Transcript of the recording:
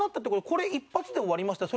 これ一発で終わりました？